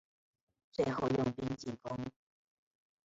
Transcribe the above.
最后用兵进攻。